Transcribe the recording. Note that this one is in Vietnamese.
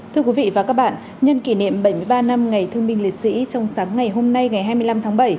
thưa quý vị và các bạn nhân kỷ niệm bảy mươi ba năm ngày thương binh liệt sĩ trong sáng ngày hôm nay ngày hai mươi năm tháng bảy